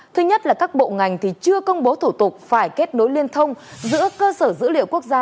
thứ nhất là các bộ ngành thì chưa công bố thủ tục phải kết nối liên thông giữa cơ sở dữ liệu quốc gia